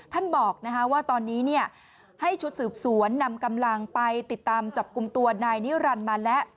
ท่านบอกว่าตอนนี้ให้ชุดสืบสวนนำกำลังไปติดตามจับกลุ่มตัวนายนิรันดิ์มาแล้ว